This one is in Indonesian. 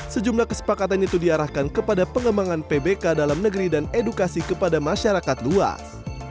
sejumlah kesepakatan itu diarahkan kepada pengembangan pbk dalam negeri dan edukasi kepada masyarakat luas